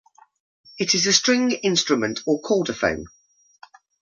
It is a string instrument or chordophone.